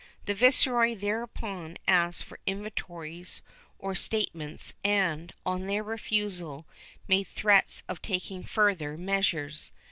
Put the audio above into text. The viceroy thereupon asked for inventories or statements and, on their refusal, made threats of taking further measures.